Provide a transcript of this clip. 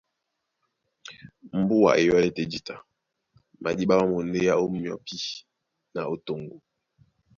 Mbùa e yɔ́lɛ́ tɛ́ jǐta, madíɓá má mondéá ó myɔpí na ó toŋgo.